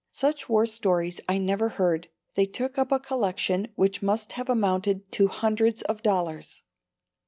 Such war stories I never heard. They took up a collection which must have amounted to hundreds of dollars.